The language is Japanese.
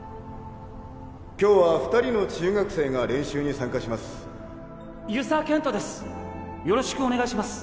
今日は２人の中学生が練習遊佐賢人です。